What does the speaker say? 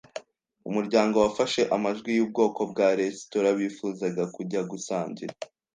Umuryango wafashe amajwi yubwoko bwa resitora bifuzaga kujya gusangira.